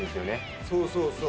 そうそうそう。